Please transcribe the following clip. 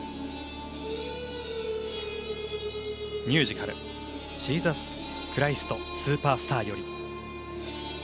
ミュージカル「ジーザス・クライスト・スーパースター」より。